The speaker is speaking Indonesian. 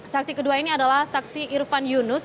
saksi kedua ini adalah saksi irfan yunus